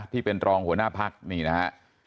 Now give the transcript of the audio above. ที่เป็นรองหัวหน้าพักนี่นะฮะ